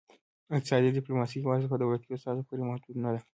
اقتصادي ډیپلوماسي یوازې په دولتي استازو پورې محدوده نه ده